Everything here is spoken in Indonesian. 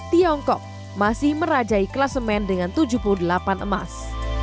tiongkok masih merajai kelasemen dengan tujuh puluh delapan emas